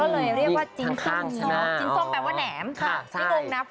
เลยเรียกว่าจิ้นส้มแหน๋ม